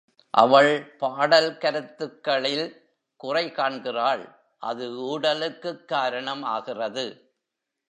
அவள் பாடல் கருத்துகளில் குறை காண்கிறான், அது ஊடலுக்குக் காரணம் ஆகிறது.